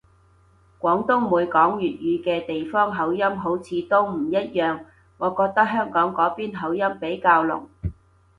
廣東每講粵語嘅地方口音好似都唔一樣，我覺得香港嗰邊口音比較濃